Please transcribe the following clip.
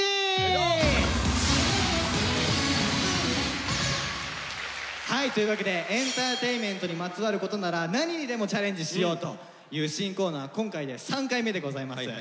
よいしょ！というわけでエンターテインメントにまつわることなら何にでもチャレンジしようという新コーナー今回で３回目でございます。